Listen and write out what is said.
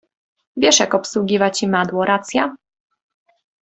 Wiesz, jak obsługiwać imadło, racja?